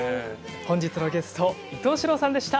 本日のゲスト伊東四朗さんでした。